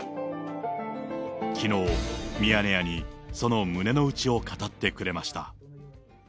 きのう、ミヤネ屋にその胸の内を語ってくれました。